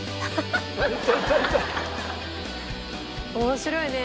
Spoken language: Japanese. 面白いね。